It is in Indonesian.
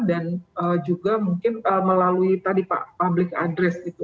dan juga mungkin melalui tadi pak public address